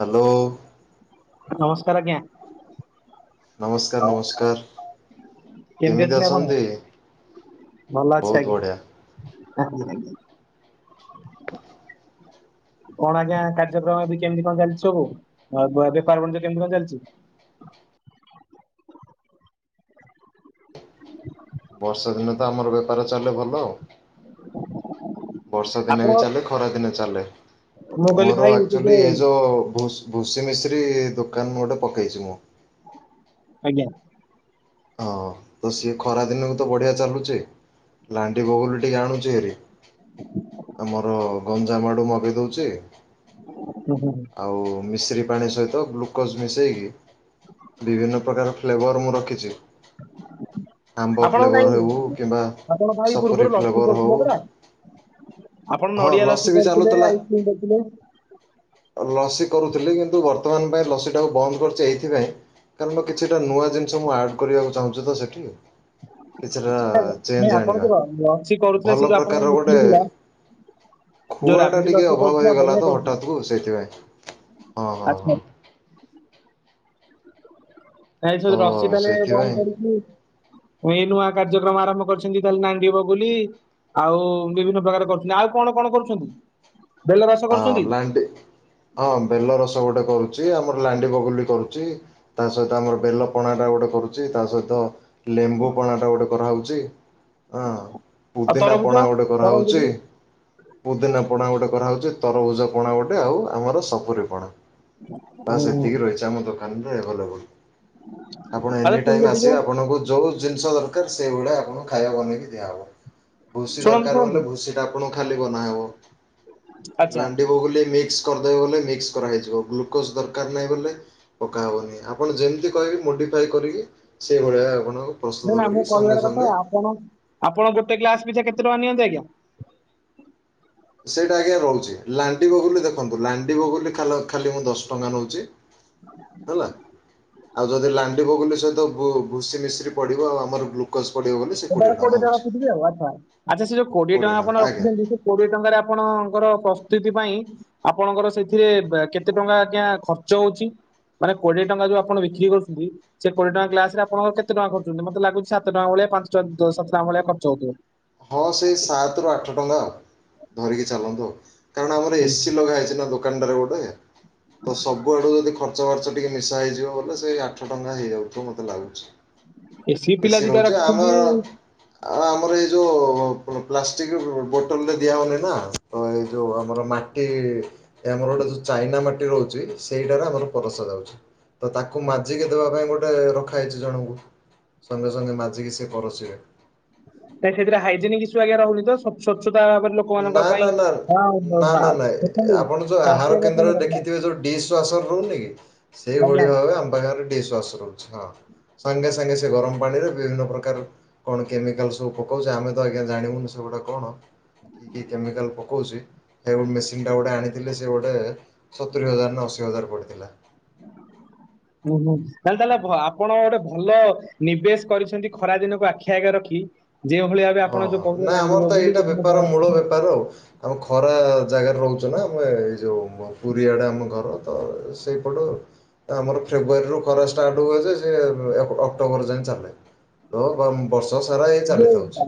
Hello. ନମସ୍କାର ଆଜ୍ଞା। ନମସ୍କାର ନମସ୍କାର କେମିତି ଅଛନ୍ତି। ଭଲ ଅଛି ବହୁତ ଆଜ୍ଞା। ବଢ଼ିଆ। କଣ ଆଜ୍ଞା କାର୍ଯ୍ୟକ୍ରମ ଏବେ କେମିତି କଣ ଚାଲିଛି ସବୁ ଅ ବ ବେପାର ବାଣିଜ କେମିତି କଣ ଚାଲିଛି। ବର୍ଷା ଦିନେ ତ ଆମର ବେପାର ଚାଲେ ଭଲ। ବର୍ଷା ଦିନେ ଆପଣ ବି ଚାଲେ ଖରା ଦିନେ ଚାଲେ ମୁଁ କହିଲି ମୋର ଭାଇ ସେ ଆକ୍ଚୁଆଲି ଯୋଉ ଏ ଯୋଉ। ଭୁସି ମିସ୍ରୀ ଦୋକାନ ମୁଁ ଗୋଟେ ପକେଇଛି ମୁଁ। ଆଜ୍ଞା। ହଁ ତ ସିଏ ଖରା ଦିନକୁ ତ ବଢିଆ ଚାଲୁଛି। ଲାଣ୍ଡି ବଗୁଲି ଟିକେ ଆଣୁଛି ହାରି। ଆମର ଗଞ୍ଜାମ ଆଡୁ ମଗେଇ ଦଉଛି। ହୁଁ ହୁଁ ହୁଁ। ଆଉ ମିଶ୍ରି ପାଣି ସହିତ ଗ୍ଲୁକୋଜ ମିଶେଇକି। ବିଭିନ୍ନ ପ୍ରକାର ଫ୍ଲେଭର ମୁଁ ରଖିଛି। ଆମ୍ବ ଆପଣଙ୍କୁ ଫ୍ଲେଭର ହେଉ ଭାଇ କିମ୍ବା ଆପଣ ଭାଇ ସପୁରୀ ପୂର୍ବରୁ ଲସି ଫ୍ଲେଭର ହଉ କରୁଥିଲା ପରା। ଆପଣ ହଁ ନଡିଆ ଲସି ବି କରୁଥିଲେ ଚାଲୁଥିଲା ଆଇସ୍କ୍ରିମ କରୁଥିଲେ। ଲସି କରୁଥିଲି କିନ୍ତୁ ବର୍ତ୍ତମାନ ପାଇଁ ଲସିଟାକୁ ବନ୍ଦ କରିଛି ଏଇଥିପାଇଁ। କାରଣ କିଛିଟା ନୂଆ ଜିନିଷ ମୁଁ ଆଡ଼ କରିବାକୁ ଚାହୁଁଛି ତ ସେଠି। କିଛିଟା ଆଜ୍ଞା। ନାଇଁ ଚେଞ୍ଜ ଆପଣ ଆଣିବା ଯୋଉ ର- ଲସି କରୁଥିଲେ ସେ ଭଲ ଯୋଉ ଆପଣଙ୍କ ପ୍ରକାରର ଗୋଟେ। ବିକ୍ରି ଥିଲା ଯୋଉ ଖୁଆ ଟା ରାବିଡି ଟିକେ ଲସି ଅଭାବ କରୁଥିଲା ହେଇଗଲା ବଢିଆ ତ କରୁଥିଲା ହଠାତ କୁ ସେଥିପାଇଁ ହଁ, ହଁ, ଆଚ୍ଛା ହଁ। ଆଚ୍ଛା ଭାଇ ତ ସେ ଯୋଉ ଲସି କଲେ ବନ୍ଦ ସେଇଥିପାଇଁ କରିକି। ପୁଣି ଏଇ ନୂଆ କାର୍ଯ୍ୟକ୍ରମ ଆରମ୍ଭ କରିଛନ୍ତି ତାହେଲେ ନାଣ୍ଡି ବଗୁଲି। ଆଉ ବିଭିନ୍ନ ପ୍ରକାର କରୁଛନ୍ତି ଆଉ କଣ କଣ କରୁଛନ୍ତି ବେଲ ରଷ ହଁ କରୁଛନ୍ତି। ଲାଣ୍ଡି ହଁ ବେଲ ରସ ଗୋଟେ କରୁଛି ଆମର ଲାଣ୍ଡି ବଗୁଲି କରୁଛି। ତା ସହିତ ଆମର ବେଲ ପଣା ଟା ଗୋଟେ କରୁଛି ତା ସହିତ। ଲେମ୍ବୁ ପଣାଟା ଗୋଟେ କରା ହଉଛି ହଁ, ଆଉ ପୁଦିନା ତରଭୁଜ ପଣା ଗୋଟେ କରା ତରଭୁଜ ହଉଛି। ଯୋଉ ପୁଦିନା ପଣା ଗୋଟେ କରାହଉଛି ତରଭୁଜ ପଣା ଗୋଟେ ଆଉ ଆମର ସପୁରୀ ପଣା। ବାସ ହୁଁ ଏତିିକି ରହିଛି ଆମର ଦୋକାନ ରେ ଭଲ ଭଲ। ଆପଣ ଆରେ ଏନି ଶୁଣିଲେ ଟାଇମ ଟିକେ ଆସିବେ ଆପଣଙ୍କୁ ଯୋଉ। ଜିନିଷ ଦରକାର୍ ସେଇ ଭଳିଆ ଆପଣଙ୍କୁ ଖାଇବା ବନେଇ କି ଦିଆ ହବ ଭୁଷି ଶୁଣନ୍ତୁ ଦରକାର ଶୁଣନ୍ତୁ ବୋଇଲେ ଭୁଷି। ତ ଆପଣଙ୍କୁ ଖାଲି ବନାହବ। ଆଚ୍ଛା ଲାଣ୍ଡି ବଗୁଲି ମିକ୍ସ କରିଦବ ବୋଲେ ମିକ୍ସ କରା ହେଇଯିବ ଗ୍ଲୁକୋଜ ଦରକାର ନାହିଁ ବୋଲେ। ପକାହବନି ଆପଣ ଯେମିତି କହିବେ ମୋଡିଫାଏ କରିକି। ସେଇଭଳିଆ ଆପଣଙ୍କୁ ନା ପ୍ରସ୍ତୁତ ନା ମୁଁ କରିକି କହିବାର ସଙ୍ଗେ କଥା ସଙ୍ଗେ। ଆପଣ। ଆପଣ ଗୋଟେ ଗ୍ଲାସ ପିଛା କେତେ ଟଙ୍କା ନିଅନ୍ତି ଆଜ୍ଞା। ସେଇଟା ଆଜ୍ଞା ରହୁଛି ଲାଣ୍ଡି ବଗୁଲି ଦେଖନ୍ତୁ ଲାଣ୍ଡି ବଗୁଲି ଖାଲ ଖାଲି ମୁଁ ଦଶ ଟଙ୍କା ନଉଛି। ହେଲା ଆଉ ଯଦି ଲାଣ୍ଡି ବଗୁଲି ସହିତ ଭୁ ଭୁସି ମିଶ୍ରି ପଡିବ ଆଉ ଆମର ଗ୍ଲୁ ସେ ଟାର କୋଡିଏ ଟଙ୍କା ରଖୁଥିବେ‌ ଆଉ ଆଚ୍ଛା ଆଚ୍ଛା ସେ ଯୋଉ କୋଡିଏ ଟଙ୍କା କୋଡ଼ିଏ ଆପଣ ଆଜ୍ଞା ରଖୁଛନ୍ତି। କୋଡିଏ ଟଙ୍କାରେ ଆପଣଙ୍କର ପ୍ରସ୍ତୁତି ପାଇଁ। ଆପଣଙ୍କ ର ସେଥିରେ ବେ କେତେ ଟଙ୍କା ଆଜ୍ଞା ଖର୍ଚ୍ଚ ହଉଛି। ମାନେ କୋଡିଏ ଟଙ୍କା ଯୋଉ ଆପଣ ବିକ୍ରି କରୁଛନ୍ତି। ସେ କୋଡିଏ ଟଙ୍କା ଗ୍ଲାସରେ ଆପଣଙ୍କର କେତେ ଟଙ୍କା ଖର୍ଚ୍ଚ ହଉଛି ମତେ ଲାଗୁଛି ସାତ ଟଙ୍କା ଭଳିଆ ପାଞ୍ଚ ଛ ଜ ସାତ ଟଙ୍କା ଭଳିଆ ଖର୍ଚ୍ଚ ହଉଥିବ। ହଁ ସେଇ ସାତରୁୁ ଆଠ ଟଙ୍କା ଧରିକି ଚାଲନ୍ତୁ ଆଉ। କାରଣ ଆମର ଏସି ଲଗା ହେଇଛି ନା ଦୋକାନଟା ରେ ଗୋଟେ। ତ ସବୁ ଆଡୁ ଯଦି ଖର୍ଚ୍ଚ ବାର୍ଚ୍ଚ ଟିକେ ମିଶା ହେଇଯିବ ବୋଲେ ସେଇ ଆଠ ଟଙ୍କା ହେଇ ଯାଉଥିବ ମତେ ଲାଗୁଛି। ଏସି ପିଲା ଦିଟା ରହୁଛି ରଖିଛନ୍ତି। ଆମର ଆଉ ଆମର ଏଇ ଯୋଉ। ପ ପ ପ୍ଲାଷ୍ଟିକ ବୋଟଲରେ ଦିଆ ହଉନି ନା ତ ଏଇ ଯୋଉ ଆମର ମାଟି। ଏ ଆମର ଗୋଟେ ଯୋଉ ଚାଇନା ମାଟି ରହୁଛି ସେଇଟାରେ ଆମର ପରସା ଯାଉଛି। ତ ତାକୁ ମାଜିକି ଦବା ପାଇଁ ଗୋଟେ ରଖା ହେଇଚି ଜଣଙ୍କୁ। ସଙ୍ଗେ ସଙ୍ଗେ ମାଜିକି ସିଏ ପରୋସିବେ। ନାଇଁ ସେଥିରେ ହାଇଜେନିକ ଇସୁ ଆଜ୍ଞା ରହୁନି ତ ସ୍ୱଚ୍ଛତା ଭାବରେ ଲୋ ନା ନା ନା, ନା ନା ନାଁ ଦେଖନ୍ତୁ ଆପଣ ଯୋଉ ସ୍ୱାସ୍ଥ୍ୟ ଆହାର ଦେଖନ୍ତୁ କେନ୍ଦ୍ରରେ କଥା ଦେଖିଥିବେ ଯୋଉ ଡିଶ ୱାସର ରହୁନି କି? ଆଜ୍ଞା ସେଇଭଳି ଭାବେ ଆମ ପାଖରେ ଶ୍ୱାସ ରହୁଚି ହଁ ସାଙ୍ଗେ ସାଙ୍ଗେ ସେ ଗରମ ପାଣିରେ ବିଭିନ୍ନ ପ୍ରକାର କଣ କେମିକାଲ ସ ମୁଁ କହୁଚି ଆମେ ଇଗା ଜାଣିବୁନି ସେଗୁଡା କଣ। କି କି କେମିକାଲ ପକଉଛି ହେ ମେସିନ ଟା ଗୋଟେ ଆଣିଥିଲେ ସେ ଗୋଟେ ସତୁରି ହଜାର ନା ଅଶୀ ହଜାର ପଡ଼ିଥିଲା। ହୁଁ ହୁଁ, ତାହେଲେ ତ ଆପଣ ଗୋଟେ ଭଲ ନିବେଶ କରିଛନ୍ତି ଖରା ଦିନକୁ ଆଖି ଆଗରେ ରଖି ଯେଉଁଭଳିଆ ହଁ ହଁ ନା ଆମର ତ ଏଇଟା ବେପାର ମୂଳ ବେପାର ଆଉ। ଆମେ ଖରା ଜାଗାରେ ରହୁଛୁ ନା ଆମେ ଏଇ ଯୋଉ ପୁରୀଆଡ଼େ ଆମ ଘର ତ ସେଇପଟ ଏ ଆମର ଫେବୃୟାରୀରୁ ଖରା ଷ୍ଟାର୍ଟ ହୁଏ ଯେ ସିଏ ଅ ଅକ୍ଟୋବର ଯାଏଁ ଚାଲେ। ତ ବ ବର୍ଷ ସାରା ଏଇ ଯୋଉ ଚାଲିଥାଉଛି।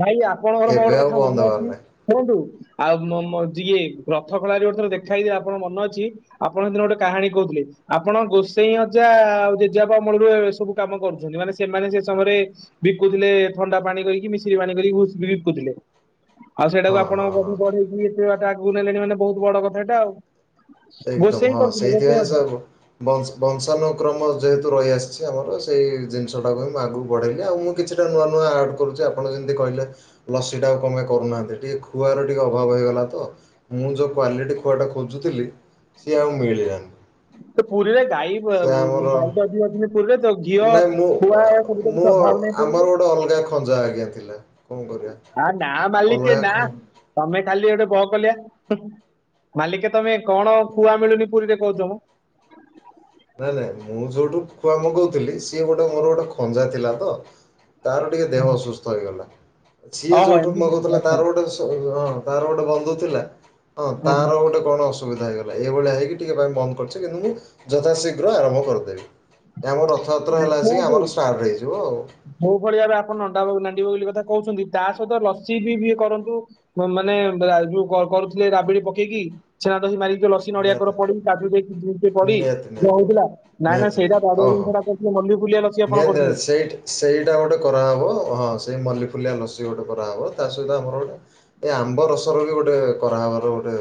ଭାଇ ଆପଣଙ୍କର ମୋର କେବେ ଗୋଟେ ଆଉ କଥା ବନ୍ଦ ମନେ ହବାର ଅଛି ନାହିଁ କୁହନ୍ତୁ। ଆଉ ମୋ ମୋ ଯିଏ ରଥ ଖେଳାରେ ଗୋଟେ ଥର ଦେଖାହେଇଥିଲି ଆପଣଙ୍କ ମନ ଅଛି? ଆପଣ ସେଦିନ ଗୋଟେ କାହାଣୀ କହୁଥିଲେ। ଆପଣ ଗୋସେଇ ଅଜା ଆଉ ଜେଜେପା ଅମଳରୁ ଏ ସବୁ କାମ କରୁଛନ୍ତି ମାନେ ସେମାନେ ସମୟରେ ବିକୁଥିଲେ ଥଣ୍ଡା ପାଣି କରିକି ମିସିରି ପାଣି କରିକି ବିକୁଥିଲେ। ଆଉ ସେଇଟାକୁ ହଁ ଆପଣ ହଁ ବୋଧେ ହଁ ବଢେଇକି ଏତେଟା ଆଗକୁ ନେଲେଣି ମାନେ ବହୁତ ବଡ କଥା ଏଇଟା ଆଉ। ଏକଦମ ଗୋସେଇ ହଁ କରୁଥିଲେ ଗୋସେଇ ସେଇଥିପାଇଁ ଅଜା। ସବୁ ବଂଶ ବଂଶାନୁକ୍ରମ ଯେହେତୁ ରହିଆସିଛି ଆମର ସେଇ ଜିନିଷଟାକୁ ହିଁ ମୁଁ ଆଗକୁ ବଢ଼େଇଲି ଆଉ ମୁଁ କିଛିଟା ନୂଆ ନୂଆ ଆଡ କରୁଛି ଆପଣ ଯେମିତି କହିଲେ ଲସି ଟା ଆଉ କଣ ପାଇଁ କରୁନାହାନ୍ତି, ଟିକେ ଖୁଆର ଟିକେ ଅଭାବ ହେଇଗଲା ତ ମୁଁ ଯୋଉ କ୍ୱାଲିଟି ଖୁଆଟା ଖୋଜୁଥିଲି ସିଏ ଆଉ ମିଳିିଲାନି। ତ ପୁରୀରେ ଗାଈ ଗାଈ ତ ଅଧିକ ଅଛନ୍ତି ପୁରୀରେ ତ ଘିଅ ନାଇଁ ମୁଁ ଖୁଆ ଏବେ ତ କିଛି ମୁଁ ଅଭାବ ନାଁଇ ପୁରୀ ରେ, ଆମର ଗୋଟେ ଅଲଗା ଖଞ୍ଜା ଆଜ୍ଞା ଥିଲା କଣ କରିବା ଆ ନା ମାଲିକେ ଅଲଗା ନା। ଖ ତମେ ଖାଲି ଗୋଟେ ବହ କଲିଆ, ମାଲିକେ ତମେ କଣ ଖୁଆ ମିଳୁନି ପୁରୀରେ କହୁଛ ମ। ନାଇଁ ନାଇଁ ମୁଁ ଯୋଉଠୁ ଖୁଆ ମଗଉଥିଲି ସିଏ ଗୋଟେ ମୋର ଗୋଟେ ଖଞ୍ଜା ଥିଲା ତ। ତାର ଟିକେ ଦେହ ଅସୁସ୍ଥ ହେଇଗଲା, ସିଏ ଓହୋ ଯୋଉଠୁ ଏମିତି ମଗୁଉଥିଲା କଥା। ତାର ଗୋଟେ ହଁ ତାର ଗୋଟେ ବନ୍ଧୁ ଥିଲା ହଁ ହୁଁ ହୁଁ। ତାର ଗୋଟେ କଣ ଅ ବିଧା ହେଇଗଲା ଏଇ ଭଳିଆ ହେଇକି ଟିକେ ବନ୍ଦ କରିଛ କିନ୍ତୁ ମୁଁ ଯଥାଶୀଘ୍ର ଆରମ୍ଭ କରିଦେବି। ଆମ ରଥଯାତ୍ରା ହେଲା ଆସିକି ଦେଖନ୍ତୁ ଆମର ଷ୍ଟାର୍ଟ ହେଇଯିବ ଆଉ। ଯୋଉ ଭଳିଆ ଏବେ ଆପଣ ନଣ୍ଡା ନାଣ୍ଡି ବଗୁଲୀ କଥା କହୁଛନ୍ତି ତା ସହିତ ଲସି ବି କରନ୍ତୁ। ମାନେ ଯୋଉ କରୁଥିଲେ ରାବିଡି ପକେଇକି ଛେନା ଦହି ମାରିକି ଲସି ନଡିଆ କୋର ନିହାତି ପଡିକି କାଜୁ ଦେଇକି ଜୁସ ପଡ଼ି ନିହାତି ଯୋଉ ନିହାତି ହଉଥିଲା ନାଇଁ ନାଇଁ ନିହାତି ସେଇଟା ନିହାତି ବଢ଼ିଆ ଓହୋ। [unintelligible] ମଲ୍ଲି ଫୁଲିଆ ଲସ ନିହାତି ସେଇ ଟ୍ ସେଇଟା ଗୋଟେ କରାହବ ହଁ ସେଇ ମଲ୍ଲିଫୁଲିଆ ଲସି ଗୋଟେ କରାହେବ ତା ସହିତ ଆମର ଗୋଟେ ଏ ଆମ୍ବ ରସର ବି ଗୋଟେ କରାହବାର ଗୋଟେ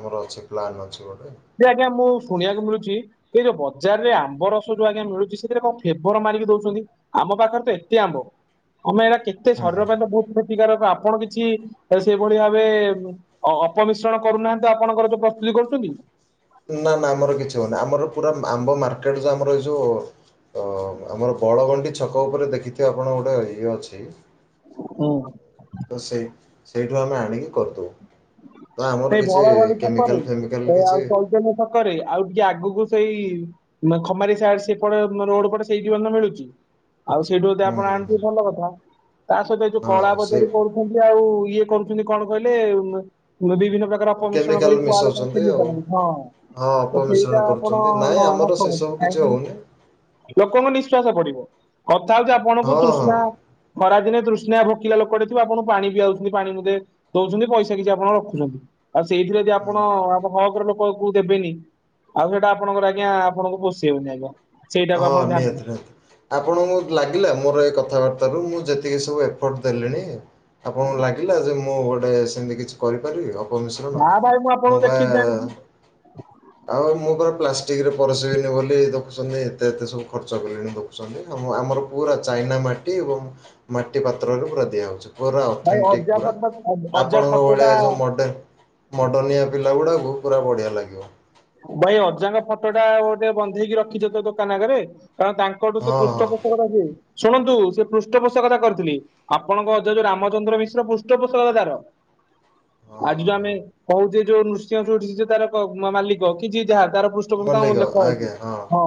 ଆମର ଅଛି ପ୍ଲାନ୍ ଅଛି ଗୋଟେ। ଯେ ଆଜ୍ଞା ମୁଁ ଶୁଣିବାକୁ ମିଳୁଚି ଏଇ ଯୋଉ ବଜାରରେ ଆମ୍ବ ରସ ଯୋଉ ଆଜ୍ଞା ମିଳୁଛି ସେଥିରେ କଣ ଫ୍ଲେବର୍ ମାରିକି ଦଉଛନ୍ତି? ଆମ ପାଖରେ ତ ଏତେ ଆମ୍ବ ଆମେ ଏଇଟା କେତେ ଶରୀର ପାଇଁ ତ ବହୁତ ଗୁଡେ ପ୍ରତିକାର ଆପଣ କିଛି ଏ ସେଇଭଳି ଭାବେ ଉଁ ଅ ଅପମିଶ୍ରଣ କରୁନାହାନ୍ତି ଆପଣଙ୍କର ଯୋଉ ପ୍ରସ୍ତୁତି କରୁଛନ୍ତି। ନା ନା ଆମର କିଛି ହଉନି, ଆମର ପୁରା ଆମ୍ବ ମାର୍କେଟ ଯଉ ଆମର ଏଇ ଯଉ ଆମର ବଳଗଣ୍ଡି ଛକ ଉପରେ ଦେଖିଥିବେ ଆପଣ ଗୋଟେ ଇଏ ଅଛି ହୁଁ। ତ ସେଇ, ସେଇଠୁ ଆମେ ଆଣିକି କରିଦଉ। ତ ଆମର ସେଇ କିଛି ବଳଗଲି ଛକରେ କେମିକାଲ ଫେମିକାଲ ଏ କିଛି [unintelligible] ଛକରେ ଆଉ ଟିକେ ଆଗକୁ ସେଇ ଖମାରୀ ସାଇଟ ସେପଟେ ରୋଡ ପଟେ ସେଇଠିବନ ମିଳୁଚି। ଆଉ ସେଇଠୁ ଯଦି ହୁଁ ଆପଣ ହୁଁ ଆଣିଥିବେ ହୁଁ ଭଲ କଥା ତା ସହିତ ଯୋଉ କଳା ହଁ ସେ ବଜାରୀ କରୁ ଚନ୍ତି ଯଉ ଇଏ କରୁଚନ୍ତି କଣ କହିଲେ ବିଭିନ୍ନ ପ୍ରକାର ଅପମିଶ୍ରଣ କେମିକାଲ କରି କୁଆଡେ କଣ ମିଶାଉଛନ୍ତି ପେଲି ଆଉ ପାରିନ୍ତି ହଁ। ହଁ ତ ଅପମିଶ୍ରଣ ସେଇଟା ଆପଣ କରୁଛନ୍ତି ନାଇଁ ନ ଆମର ନ ସେସବୁ କିଛି କରନ୍ତି [unintelligible] ହଉନି ଲୋକଙ୍କ ନିଃଶ୍ଵାସ ପଡିବ। କଥା ହଉଚି ଆପଣଙ୍କୁ ହଁ ହଁ ତୃଷ୍ଣା ଖରାଦିନେ ତୃଷ୍ନା ଭୋକିଲା ଲୋକଟେ ଥିବ ଆପଣ ପାଣି ପିଆଉଚନ୍ତି ପାଣି ମୁନ୍ଦେ ଦଉଚନ୍ତି ପଇସା କିଛି ଆପଣ ରଖୁ ଚନ୍ତି ଆଉ ସେଇଥିରେ ଯଦି ଆପଣ ହୁଁ ଆଉ ହକରେ ଲୋକ କୁ ଦେବେନି ଆଉ ସେଇଟା ଆପଣଙ୍କର ଆଜ୍ଞା ଆପଣଙ୍କୁ ପୋଷେଇବେନି ଆଜ୍ଞା। ସେଇଟାକୁ ହଁ ଆପଣ ଧ୍ୟାନ ନିହାତି ନିହାତି। ଆପଣଙ୍କୁ ଲାଗିଲା ମୋର ଏ କଥାବାର୍ତ୍ତାରୁ ମୁଁ ଯେତିକି ସବୁ ଏଫର୍ଟ ଦେଲିଣି ଆପଣଙ୍କୁ ଲାଗିଲା ଯେ ମୁଁ ଗୋଟେ ସେମିତି କିଛି କରିପାରିବି ଅ ପମିଶ୍ରଣ। ନା ଭାଇ ଆପଣଙ୍କୁ ମୁଁ ବା ଦେଖିଛି ଜାଣିଛି ଆଉ ମୁଁ ପରା ପ୍ଲାଷ୍ଟିକରେ ପରଶିବିନି ବୋଲି ଦେଖୁଚନ୍ତି ଏତେ ଏତେ ସବୁ ଖର୍ଚ୍ଚ କଲେଣି ଦେଖୁଚନ୍ତି ଆମ ଆମର ପୁରା ଚାଇନା ମାଟି ଏବଂ ମାଟି ପାତ୍ରରେ ପୁରା ଦିଆ ହଉଚି। ପୁରା ଭାଇ ଅଥେନଣ୍ଟିକ୍ ଅଜା ପୁରା ଫଟୋ ଅଜା ଆପଣଙ୍କ ଭଳିଆ ଫଟୋଟା ଏଯେଉଁ ମଡ଼େଲ ମଡ଼ର୍ନିଆ ପିଲାଗୁଡ଼ାକୁ ପୁରା ବଢ଼ିଆ ଲାଗିବ। ଭାଇ ଅଜାଙ୍କ ଫଟୋ ଟା ଗୋଟେ ବନ୍ଧେଇକି ରଖିଚ ତ ଦୋକାନ ଆଗରେ କାରଣ ତାଙ୍କ ଙ୍କ ଠୁ ସେ ହଁ ହଁ ପୃଷ୍ଠପୋଷକତା କି ଶୁଣନ୍ତୁ ସେ ପୃଷ୍ଠପୋଷକତା କରିଥିଲି। ଆପଣଙ୍କ ଅଜା ଯୋଉ ରାମଚନ୍ଦ୍ର ମିଶ୍ର ପୃଷ୍ଠପୋଷକ ତାର। ହଁ ଆଜି ଯ ହଁ ଆମେ ହଁ କହୁନଥିଲେ ଯୋଉ ନୁରସିଂହ ସୁଇଟସ ସେ ତାର କ ମାଲିକ। ରଖିଚି ଯାହା ତାର ପୃଷ୍ଠପୋଷକ ମଲ୍ଲିକ ଲେଖା ହୋଉଚି। ଆଜ୍ଞା ହଁ।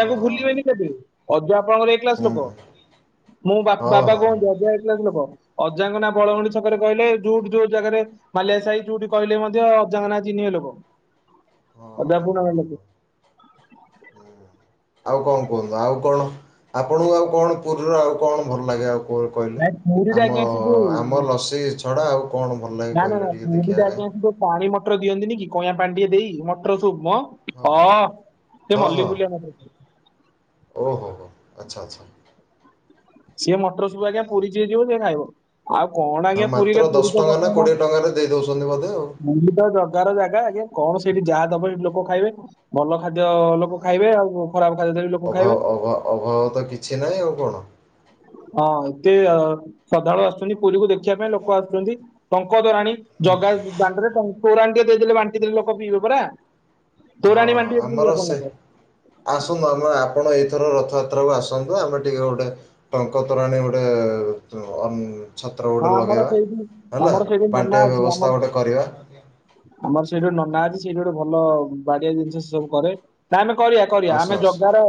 ହଁ ଭୁଲିବେନି [unintelligible] ଅଜା ଆପଣଙ୍କର ଏ କ୍ଲାସ ଲୋକ ହୁଁ। ମୋ ବାପ୍ ହଁ ବାବା ହଁ ହଁ କୁହନ୍ତି ଅଜା ଏ କ୍ଲାସ ଲୋକ। ଅଜାଙ୍କ ନାଁ ବଳଗଣ୍ଡି ଛକରେ କହିଲେ ଯୋଉଠି ଯୋଉ ଜାଗାରେ ମାଲିଆସାହି ଯୋଉଠି କହିଲେ ମଧ୍ୟ ଅଜାଙ୍କ ନାଁ ଚିହିଁବେ ଲୋକ। ଅଜା ହଁ ହଁ [unintelligible] ହଁ ଆଉ କଣ କୁହନ୍ତୁ ଆଉ କଣ ଆପଣଙ୍କୁ ଆଉ କଣ ପୁରୀର ଆଉ କଣ ଭଲ ଲାଗେ ଆଉ? କଣ କହିଲେ ନାଇଁ ପୁରୀରେ ଆମ ଆଜ୍ଞା ସେ ଯୋଉ ଆମ ଲସି ଛଡ଼ା ଆଉ କଣ ଭଲ ଲାଗେ ନା ନା କହିଲେ ନା ଟିକେ ଦେଖିବା ପୁରୀରେ କାଇଁ? ଆଜ୍ଞା ସେ ଯୋଉ ପାଣି ମଟର ଦିଅନ୍ତିନି କି କଇଁଆ ପାଣି ଟିକେ ଦେଇ ମଟର ସୁପ୍ ମ ହଁ ସେ ମଲି ଫୁଲିଆ [unintelligible] ଓ ହୋ, ହୋ, ଆଚ୍ଛା ଆଚ୍ଛା। ସିଏ ମଟର ସୁପ୍ ଆଜ୍ଞା ପୁରୀ ଯିଏ ଯିବ ସିଏ ଖାଇବ। ଆଉ କଣ ନା ଆଜ୍ଞା ମାତ୍ର ପୁରୀରେ ପୁରୀ ଦଶ ତ ଟଙ୍କା ନା ବନ୍ଦ, କୋଡ଼ିଏ ଟଙ୍କାରେ ଦେଇ ଦେଉଛନ୍ତି ବୋଧେ ଆଉ। ଗୁଣ୍ଡିଚା ଦ [unintelligible] ଜାଗା ଆଜ୍ଞା କଣ ସେଇଠି ଯାହା ଦବ ସେଠି ଲୋକ ଖାଇବେ। ଭଲ ଖାଦ୍ୟ ଲୋକ ଖାଇବେ ଆଉ ଖରାପ ଖାଦ୍ୟ ଦେଲେ ଲୋ ଅଭାବ ଅଭ ଅଭାବ ତ କିଛି ନାହିଁ ଆଉ କଣ? ହଁ ଏତେ ଶ୍ରଦ୍ଧାଳୁ ଆସୁଚନ୍ତି ପୁରୀକୁ ଦେଖିବା ପାଇଁ ଲୋକ ଆସୁଚନ୍ତି ଟଙ୍କ ତୋରାଣୀ ଜଗା ଦାଣ୍ଡରେ ତୋରାଣୀ ଟିକେ ଦେଇଦେଲେ ବାଣ୍ଟି ଦେଲେ ଲୋକ ପିଇବେ ପରା। ହଁ ତୋରାଣୀ ବାଣ୍ଟିବେ [unintelligible] ଆମର ସେ ଲୋକ ଆସନ୍ତୁ ଆମେ ଆପଣ ଏଇଥର ରଥଯାତ୍ରାକୁ ଆସନ୍ତୁ ଆମେ ଟିକେ ଗୋଟେ ଟଙ୍କତୋରାଣୀ ଗୋଟେ ଅନ ଛତ୍ର ହଁ ଗୋଟେ ଆମର ଲଗେଇବା ସେଇଠି ହେଲା। ଆମର ସେଇଠି ନନା ବାଣ୍ଟିବା ଅଛି ଆମର ବ୍ୟବସ୍ଥା ଗୋଟେ କରିବା। ଆମର ସେଇଠେ ଗୋଟେ ନନା ଅଛି ସେଇଠି ଗୋଟେ ଭଲ ବାଡିଆ ଜିନିଷ ସେ ସବୁ କରେ। ନା ଆମେ କରିବା କରିବା ଆସ ଆମେ ଆସ ଜଗାର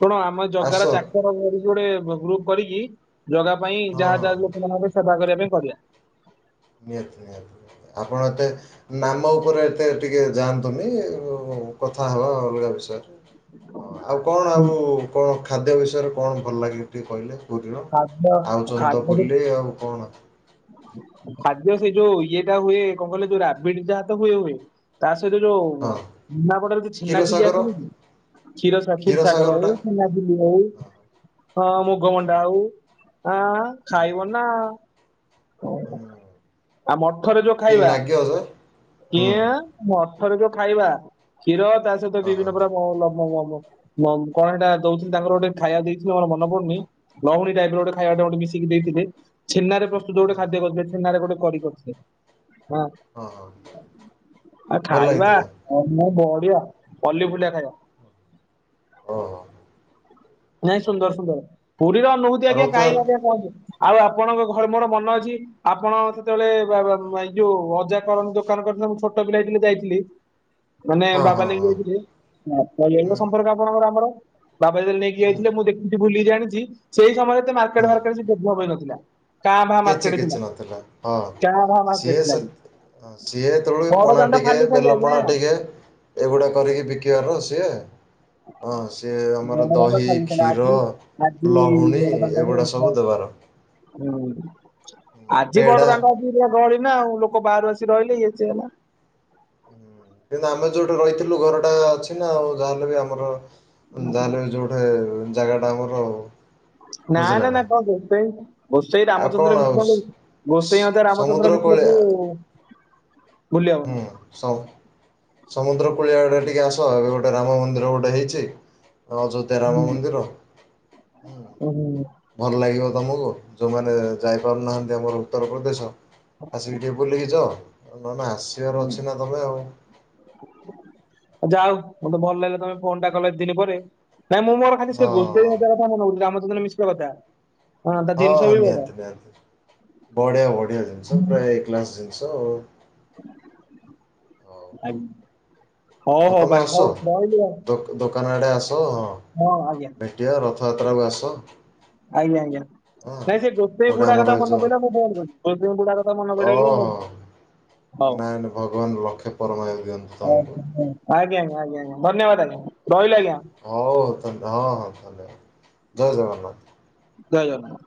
ଶୁଣ ଆମେ ଆସ ଜଗାର ଚାକର ପରି ଗୋଟେ ଗ୍ରୁପ କରିକି ଜଗା ପାଇଁ ହଁ ଯାହା ହଁ ଯାହା ଲୋକ ମାନଙ୍କର ସେବା କରିବା ପାଇଁ କରିବା। ନିହାତି, ନିହାତି, ଆପଣ ଏତେ ନାମ ଉପରେ ଏତେ ଟିକେ ଯାଆନ୍ତୁନି। କଥା ହେବା ଅଲଗା ବିଷୟରେ। ଠିକ ଠିକ ହଁ ଆଉ କଣ ଆଉ କଣ ଖାଦ୍ୟ ବିଷୟରେ କଣ ଭଲ ଲାଗେ ଟିକେ କହିଲେ? ପୁରୀର ଖାଦ୍ୟ ଆଉ ଚନ୍ତି ତ ଖାଦ୍ୟ ଯୋଉ- ବୁଲି ଆଉ କଣ? ଖାଦ୍ୟ ସେ ଯୋଉ ଇଏଟା ହୁଏ କଣ କହିଲେ ଯୋଉ ରାବିଡ ଯାହା ତ ହୁଏ ହୁଏ। ତା ସହିତ ଯୋଉ ହଁ ନିମାପଡାର ଛେନା ଝିଲି କ୍ଷୀରସାଗର ଆସେନି କି। କ୍ଷୀର ସା କ୍ଷୀର ସାଗର କ୍ଷୀରସାଗରଟା ହଉ ଛେନା ଝିଲି ହଉ ହଁ ହଁ ହଁ ମୁଗମଣ୍ଡା ହଉ ଆ ହଁ ଖାଇବ ନା। କେମିତି ଆଉ ମଠରେ ଯୋଉ ଖାଇବା। ଲାଗିବ ସେ ହୁଁ କିଆଁ ମଠର ଯୋଉ ଖାଇବା କ୍ଷୀର ତା ସହିତ ଅ ବିଭିନ୍ନ ହଁ ପ୍ରକାର ଲମ ମହମ ମ କଣ ହେଇଟା ଦଉଥିଲେ ତାଙ୍କର ଗୋଟେ ଖାଇବା ଦେଇଥିଲି ମର ମନେ ପଡୁନି। ଲହୁଣୀ ଟାଇପରେ ଗୋଟେ ଖାଇବାଟା ଗୋଟେ ମିଶିକି ଦେଇଥିଲେ ଛେନାରେ ସୁ ଗୋଟେ ଖାଦ୍ୟ କରିଥିଲେ ସେ ଛେନାରେ ଗୋଟେ କରି କରିଥିଲେ। ହଁ ହଁ ଆ ଭଲ ଖାଇବା ହେଇଥିଲା ବଢିଆ ମଲି ଫୁଲିଆ ଖାଇବା। ଓ ହୋ। ନାଇଁ ସୁନ୍ଦର ସୁନ୍ଦର ପୁରୀର ଅନୁଭୁତି ଆଉ ଆଜ୍ଞା ରଥ କାହିଁକି ଆଜ୍ଞା କହନ୍ତୁ। ଆଉ ଆପଣଙ୍କ ଘରେ ମୋର ମନ ଅଛି। ଆପଣ ସେତେବେଳେ ଏଇ ଯୋଉ ଅଜା କରନ୍ତି ଦୋକାନ କରିଥିଲେ ମୁଁ ଛୋଟ ପିଲା ହେଇଥିଲି ଯାଇଥିଲି। [inaudible] ମାନେ ହଁ ବାବା ହଁ ନେଇକି ହଁ ଯାଇଥିଲେ। ହରି ଭାଇ ଙ୍କ ହୁଁ ସମ୍ପର୍କ ଆପଣଙ୍କର ଆମର ବାବା ଜେତେଳେ ନେଇକି ହୁଁ କିଆଇଥିଲେ ମୁଁ ଦେଖଛିି ଭୁଲି ଜାଣିଛି ସେଇ ସମୟରେ ମାର୍କେଟ ହୁଁ ଫାର୍କେଟ କିଛି ଡେଭଲପ ହେଇନଥିଲା। କାଁ ଭା କିଛି ମାର୍କେଟ ଥିଲା। କିଛି ନଥିଲା ଙ୍କା ଭା ମାର୍କେଟ ଥିଲା। ହ ସିଏ ତେଳୁ ବଡ ପଣା ଦାଣ୍ଡ ଟିକେ ଖାଲି ଖାଲି ବେଲ ଆଜ୍ଞା ପଣା ଟିକେ ଏଗୁଡ଼ା କରିକି ବିକିବାରୁ ସିଏ। ହଁ ସିଏ ଆମର ବଡ ଦାଣ୍ଡ ଦହି, ଖାଲି ଥିଲା କ୍ଷୀର, ଆଜି ଆଜି ଲହୁଣୀ ବଡ ଦାଣ୍ଡରେ ଏଗୁଡା ସବୁ ଦେବାର। ହୁଁ ଆଜି ପେଡ଼ା ବଡ ଦାଣ୍ଡ। ଥିଲା ଗଳି ନା ଆଉ ଲୋକ ବାହାରୁ ଆସି ରହିଲେ ଇଏ ସିଏ ହେଲା। ହୁଁ, କିନ୍ତୁ ଆମେ ଯୋଉଠି ରହିଥିଲୁ ଘରଟା ଅଛି ନା ଆଉ ଯାହାେଲେ ବି ଆମର ଯାହେଲେ ବି ଯୁ ହେ ଜାଗା ଟା ଆମର ଆଉ। ନା ନା ନା କଣ ଗୋଷେଇ ଗୋଷେଇ ଆଉ କଣ ରାମଚନ୍ଦ୍ର ଆଉ ମିଶ୍ର କ ଗୋସେଇଁ ସ- ଅଜା ସମୁଦ୍ର ରାମଚନ୍ଦ୍ର ମିଶ୍ର କୂଳିଆ କୁ ହୁଁ ସମ୍ ସମୁଦ୍ର କୂଳିଆ ଆଡେ ଟିକେ ଆସ ଏବେ ଗୋଟେ ରାମ ମନ୍ଦିର ଗୋଟେ ହେଇଛି। ଅଯୋଧ୍ୟା ରାମ ହୁଁ ମନ୍ଦିର ହୁଁ। ହୁଁ, ଭଲ ଲାଗିବ ତମକୁ ଯୋଉମାନେ ଯାଇପାରୁନାହାନ୍ତି ଆମର ଉତ୍ତରପ୍ରଦେଶ। ଆସିକି ଟିକେ ବୁଲିକି ଯ ନନ୍ ଆସିବାର ଅଛି ନା ତମେ ଆଉ। ଯା ହଉ ମତେ ଭଲ ଲାଗିଲା ତମେ ଫୋନ ଟା କଲେ ଏତେ ଦିନି ପରେ। ନାଇଁ ମୁଁ ମୋର ଖାଲି ସେ ଗୋସେ ହଁ ଇ ଅଜା କଥା ମନେପଡୁଛି। ରାମଚନ୍ଦ୍ର ମିଶ୍ର କଥା। ହଁ ତା ଜିନିଷ ହଁଁ ବି ବଢିଆ। ନିହାତି ନିହାତି ବଢ଼ିଆ ବଢ଼ିଆ ଜିିନିଷ ପ୍ରାୟ ଏ କ୍ଲାସ ଜିନିଷ। ଆଗ୍ ହ ତମେ ଆସ ଆଉ ଦୋ ଦୋକାନ ଆଡ଼େ ଆସ ହଁ। ହଁ ଆଜ୍ଞା। ଭେଟିବା ରଥଯାତ୍ରାକୁ ଆସ। ଆଜ୍ଞା ଆଜ୍ଞା ହଁ ନାଇଁ ସେ ଗୋସେଇଁ ଗୋଟେ ବୁଡା ଆମର କଥା ଏ ମନେ ଯୋଉ ପାଡିଲା ମୁଁ ଫୋନ୍ କଲି। ଗୋସେଇଁ ବୁଢ଼ା କଥା ମାନେ ପଡ଼ିଲା କି ଓହୋ ବୋଲି ହଉ ନାଇଁ ଭଗବାନ ଲକ୍ଷେ ପରମାୟ ଦିଅନ୍ତୁ ତମକୁ। ଆଜ୍ଞା ଆଜ୍ଞା ଆଜ୍ଞା ଆଜ୍ଞା ଧନ୍ୟବାଦ ଆଜ୍ଞା ରହିଲି ଆଜ୍ଞା। ହ ହଉ ତାଲେ ହଁ ହଁ ତାହଲେ ଜୟ ଜଗନ୍ନାଥ। ଜୟ ଜଗନ୍ନାଥ।